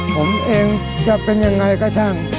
ผมเองจะเป็นยังไงก็ช่าง